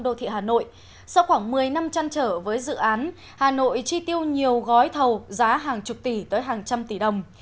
đô thị hà nội sau khoảng một mươi năm chăn trở với dự án hà nội chi tiêu nhiều gói thầu giá hàng chục tỷ tới hàng trăm tỷ đồng